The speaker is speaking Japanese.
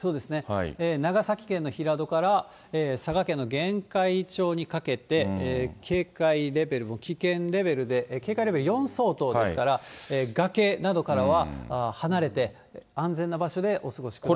長崎県の平戸から佐賀県の玄海町にかけて、警戒レベルも危険レベルで、警戒レベル４相当ですから崖などからは離れて安全な場所でお過ごしください。